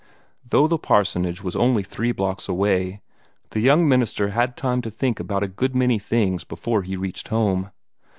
Though the parsonage was only three blocks away, the young minister had time to think about a good many things before he reached home.